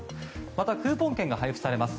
また、クーポン券が配布されます。